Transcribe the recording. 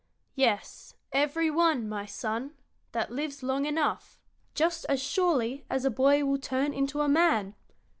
"Yes, every one, my son, that lives long enough, just as surely as a boy will turn into a man.